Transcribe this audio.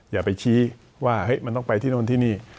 อย่าไปชี้ว่ามันต้องไปที่โน่นที่นี่